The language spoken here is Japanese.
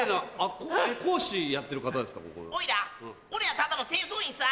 俺はただの清掃員さ。